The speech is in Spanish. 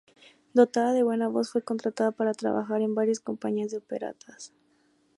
Dotada de buena voz, fue contratada para trabajar en varias compañías de operetas.